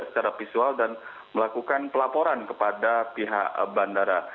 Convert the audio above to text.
secara visual dan melakukan pelaporan kepada pihak bandara